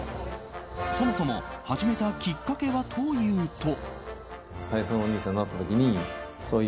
そもそも始めたきっかけはというと。